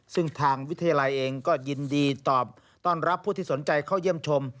ซึ่งทางวิทยาลัยเองก็ยินดีตอบต้อนรับผู้ที่สนใจเข้าเยี่ยมชม